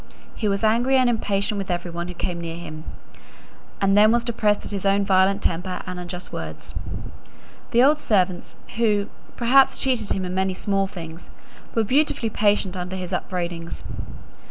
He was angry and impatient with every one who came near him; and then was depressed at his own violent temper and unjust words. The old servants, who, perhaps, cheated him in many small things, were beautifully patient under his upbraidings.